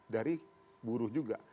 dari buruh juga